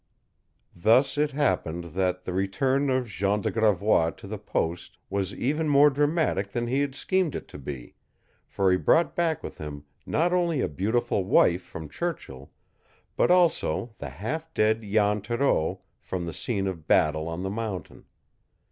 Thus it happened that the return of Jean de Gravois to the post was even more dramatic than he had schemed it to be, for he brought back with him not only a beautiful wife from Churchill, but also the half dead Jan Thoreau from the scene of battle on the mountain.